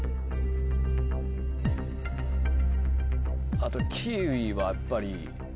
あとキーウィはやっぱり。